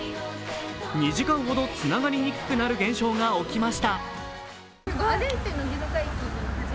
２時間ほどつながりにくくなる現象が起きました。